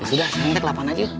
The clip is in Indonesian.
ya sudah sentek lapan aja yuk